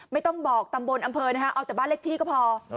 ไม่ต้องบอกตำบลอำเภอนะคะเอาแต่บ้านเลขที่ก็พอ